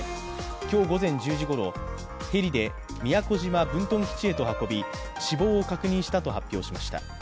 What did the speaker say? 今日午前１０時ごろヘリで宮古島分屯基地へと運び死亡を確認したと発表しました。